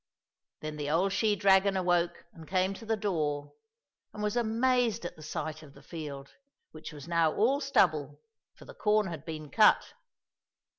Then the old she dragon awoke and came to the door, and was amazed at the sight of the field, which was now all stubble, for the corn had been cut.